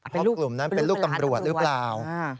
เพราะกลุ่มนั้นเป็นลูกตำรวจหรือเปล่า